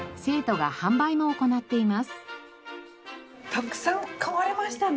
たくさん買われましたね。